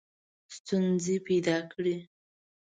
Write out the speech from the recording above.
ستونزي پیدا کړي.